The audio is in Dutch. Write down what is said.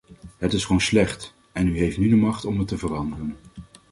Het is gewoon slecht, en u heeft nu de macht om het te veranderen.